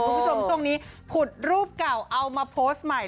คุณผู้ชมช่วงนี้ขุดรูปเก่าเอามาโพสต์ใหม่